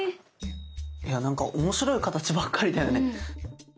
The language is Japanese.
いやなんか面白い形ばっかりだよね。